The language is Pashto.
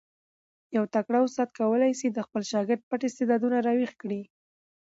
یو تکړه استاد کولای سي د خپل شاګرد پټ استعدادونه را ویښ کړي.